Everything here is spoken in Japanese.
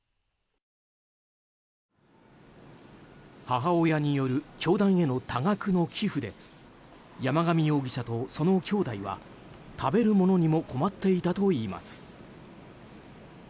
母親による教団への多額の寄付で山上容疑者とそのきょうだいは食べるものにも困っていたといいます。